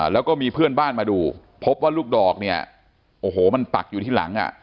แล้วก็มีเพื่อนบ้านมาดูพบว่าลูกดอกเนี่ยโอ้โหมันปักอยู่ที่หลังอ่ะ